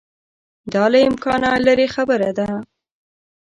دا له امکانه لیري خبره ده.